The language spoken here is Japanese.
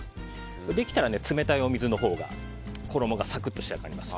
できたら、冷たいお水のほうが衣がサクッと仕上がります。